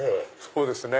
そうですね。